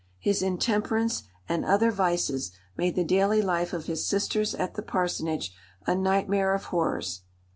His intemperance and other vices made the daily life of his sisters at the parsonage a nightmare of horrors.